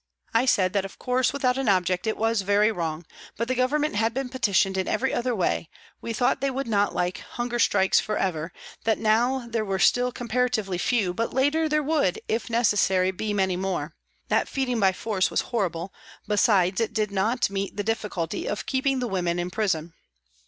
I said that of course without an object it was very wrong, but the Government had been petitioned in every other way, we thought they would not like hunger strikes for ever, that now there were still comparatively few, but later there would, if necessary, be many more ; that feeding by force was horrible, besides it did not meet the difficulty of keeping the women hi prison.